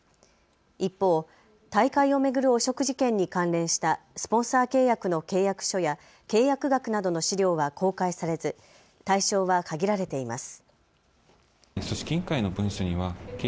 一方、大会を巡る汚職事件に関連したスポンサー契約の契約書や契約額などの資料は公開されず対象は限られています。